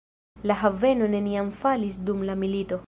La haveno neniam falis dum la milito.